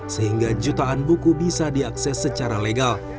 sehingga jutaan buku bisa diakses secara legal